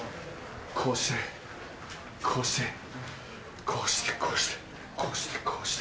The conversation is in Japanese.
こうしてこうしてこうしてこうしてこうしてこうして。